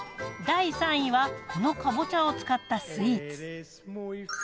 第３位はこのかぼちゃを使ったスイーツ。